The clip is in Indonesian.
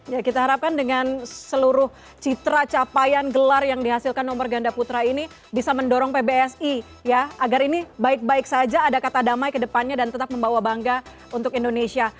ya kita harapkan dengan seluruh citra capaian gelar yang dihasilkan nomor ganda putra ini bisa mendorong pbsi ya agar ini baik baik saja ada kata damai ke depannya dan tetap membawa bangga untuk indonesia